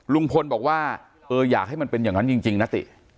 ลุงพลบอกว่าเอออยากให้มันเป็นอย่างนั้นจริงนะติ